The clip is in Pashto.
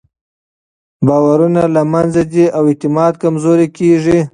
باورونه له منځه ځي او اعتماد کمزوری کېږي.